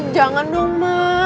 jangan dong mak